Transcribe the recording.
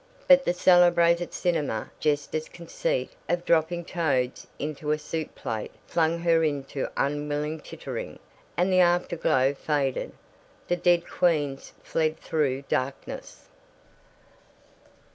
But the celebrated cinema jester's conceit of dropping toads into a soup plate flung her into unwilling tittering, and the afterglow faded, the dead queens fled through darkness.